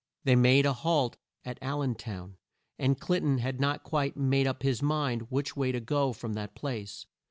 They made a halt at Al len town, and Clin ton had not quite made up his mind which way to go from that place.